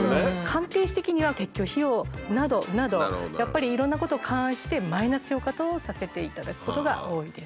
鑑定士的には撤去費用などなどやっぱりいろんなことを勘案してマイナス評価とさせていただくことが多いです。